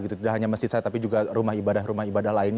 tidak hanya masjid saya tapi juga rumah ibadah rumah ibadah lainnya